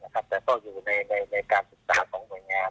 แต่ก็อยู่ในการการสตราของโดยงาม